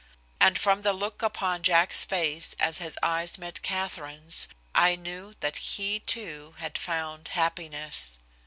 And from the look upon Jack's face as his eyes met Katharine's, I knew that he, too, had found happiness.